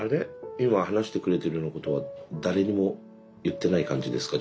今話してくれてるようなことは誰にも言ってない感じですか。